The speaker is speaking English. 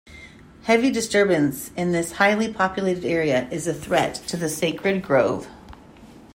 Heavy disturbance in this highly populated area is a threat to the sacred grove.